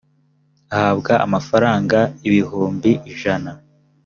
ahabwa amafaranga ibiumbi ijana